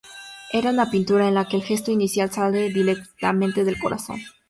Era una pintura en la que el gesto inicial sale directamente del corazón.